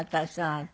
あなた。